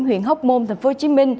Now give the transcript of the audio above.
huyện hóc môn tp hcm